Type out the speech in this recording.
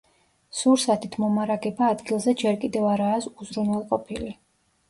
სურსათით მომარაგება ადგილზე ჯერ კიდევ არაა უზრუნველყოფილი.